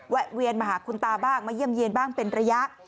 แวนมาหาคุณตาบ้างมาเยี่ยมเยี่ยนบ้างเป็นระยะ